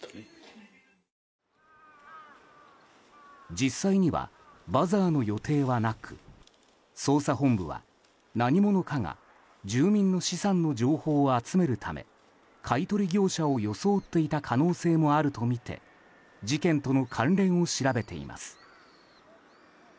実際にはバザーの予定はなく捜査本部は何者かが住民の資産の情報を集めるため買い取り業者を装っていた可能性もあるとみて事件との関連を調べています。